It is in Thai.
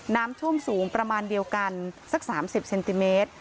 น้ำท่วมสูงประมาณเดียวกันสัก๓๐เซนติเมตร